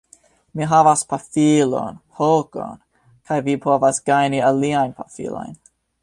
Mi havas pafilon, hokon... kaj vi povas gajni aliajn pafilojn.